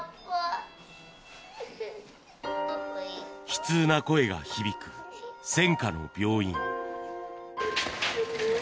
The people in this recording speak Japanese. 悲痛な声が響く戦火の病院。